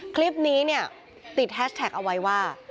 คลิปนี้เนี่ยติดแฮชแท็กเอาไว้ว่า